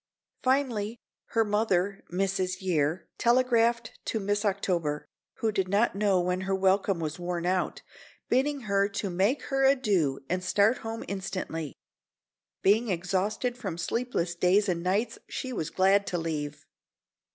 Finally her mother, Mrs. Year, telegraphed to Miss October, who did not know when her welcome was worn out, bidding her to make her adieux and start home instantly. Being exhausted from sleepless days and nights she was glad to leave.